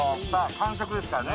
完食ですからね